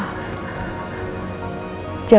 jauhkan dari mimpi buruk